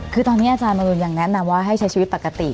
คือตอนนี้อาจารย์มนุนยังแนะนำว่าให้ใช้ชีวิตปกติ